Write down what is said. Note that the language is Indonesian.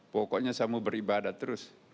pokoknya saya mau beribadah terus